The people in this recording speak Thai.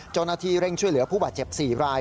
จนทีเร่งช่วยเหลือผู้บาดเจ็บ๔ราย